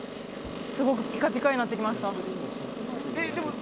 すごくピカピカになってきました。